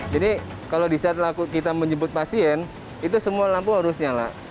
jadi kalau di saat kita menjemput pasien itu semua lampu harus nyala